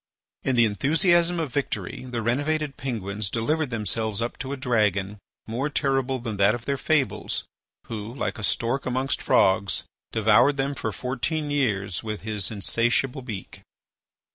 In the enthusiasm of victory the renovated Penguins delivered themselves up to a dragon, more terrible than that of their fables, who, like a stork amongst frogs, devoured them for fourteen years with his insatiable beak.